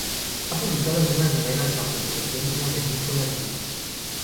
Ha publicado algunas novelas bajo el pseudónimo de "Nicholas Wilcox".